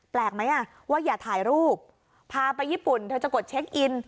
แปลกไหมว่าอย่าถ่ายรูปพาไปญี่ปุ่นเธอจะกดเช็คอิน